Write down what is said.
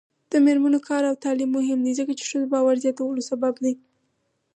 د میرمنو کار او تعلیم مهم دی ځکه چې ښځو باور زیاتولو سبب دی.